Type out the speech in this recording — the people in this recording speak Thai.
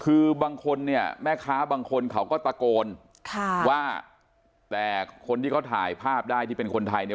คือบางคนเนี่ยแม่ค้าบางคนเขาก็ตะโกนค่ะว่าแต่คนที่เขาถ่ายภาพได้ที่เป็นคนไทยเนี่ย